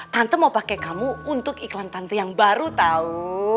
tante mau pakai kamu untuk iklan tante yang baru tahu